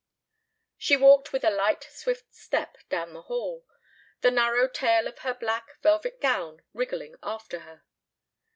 She walked with a light swift step down the hall, the narrow tail of her black velvet gown wriggling after her.